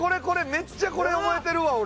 めっちゃこれ覚えてるわ俺。